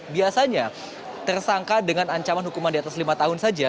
biasanya tersangka dengan ancaman hukuman di atas lima tahun saja